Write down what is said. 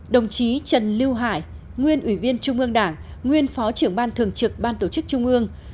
đồng chí trần lưu hải nguyên ủy viên trung ương đảng nguyên phó trưởng ban thường trực ban tổ chức trung ương